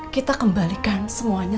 kita kembalikan semuanya